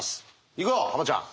行くよ浜ちゃん。